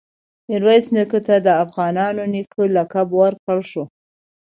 میرویس نیکه ته د “افغانانو نیکه” لقب ورکړل شو.